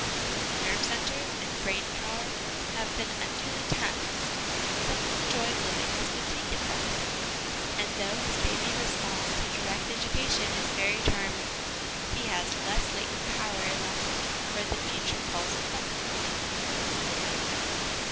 His nerve centres and brain power have been unduly taxed, some of the joy of living has been taken from him, and though his LESSONS AS INSTRUMENTS OF EDUCATION IQI baby response to direct education is very charming, he has less latent power left for the future calls of life.